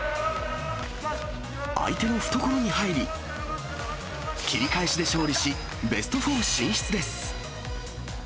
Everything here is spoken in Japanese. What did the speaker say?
相手の懐に入り、切り返しで勝利し、ベスト４進出です。